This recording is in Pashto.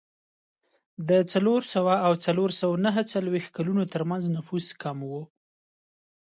د څلور سوه او څلور سوه نهه څلوېښت کلونو ترمنځ نفوس کم و